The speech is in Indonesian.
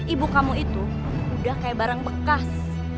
ibu kamu itu udah kayak barang bekas